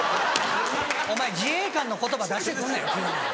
お前自衛官の言葉出して来んなや急に。